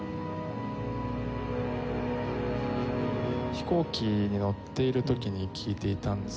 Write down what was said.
飛行機に乗っている時に聴いていたんですよね。